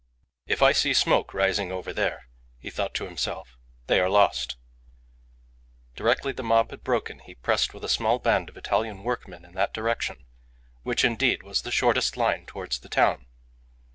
"If I see smoke rising over there," he thought to himself, "they are lost." Directly the mob had broken he pressed with a small band of Italian workmen in that direction, which, indeed, was the shortest line towards the town.